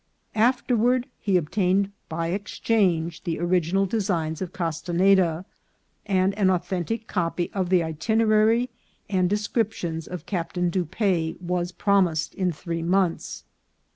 Afterward he obtained by exchange the original designs of Castenada, and an authentic copy of the itinerary and descriptions of Captain Dupaix was promised in three months.